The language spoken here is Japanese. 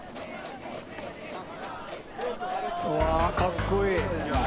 うわかっこいい。